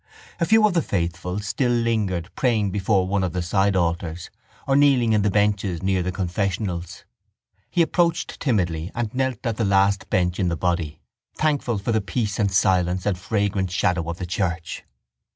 A few of the faithful still lingered praying before one of the sidealtars or kneeling in the benches near the confessionals. He approached timidly and knelt at the last bench in the body, thankful for the peace and silence and fragrant shadow of the church.